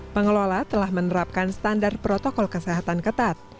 pengelola telah menerapkan standar protokol kesehatan ketat